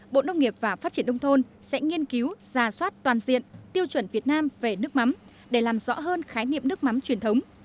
bộ nông nghiệp và phát triển đông thôn sẽ nghiên cứu ra soát toàn diện tiêu chuẩn việt nam về nước mắm để làm rõ hơn khái niệm nước mắm truyền thống